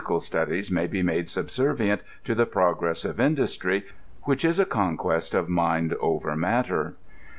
pbysioal studies may be made subseryient to the progress of in dustry, wbich is a conquest of mind over matter.